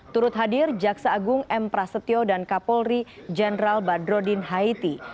turut hadir jaksa agung m prasetyo dan kapolri jenderal badrodin haiti